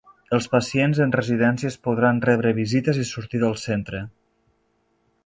Els pacients en residències podran rebre visites i sortir del centre.